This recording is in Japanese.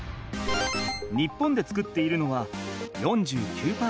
日本で作っているのは４９％。